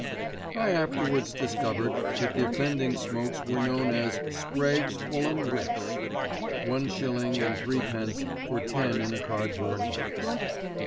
I afterwards discovered that the offending smokes were known as "Sprague's Fulham Whiffs," one shilling and threepence for ten in a cardboard box.